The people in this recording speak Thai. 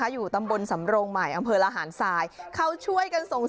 โยโยไปด้วยโยโย